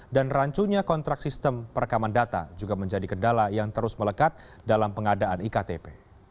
dan rancunya kontrak sistem perekaman data juga menjadi kendala yang terus melekat dalam pengadaan iktp